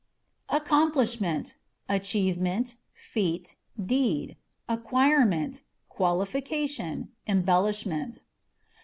Accomplishment â€" achievement, feat, deed ; acquirement, qualification, embellishment.